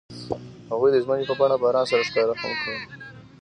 هغوی د ژمنې په بڼه باران سره ښکاره هم کړه.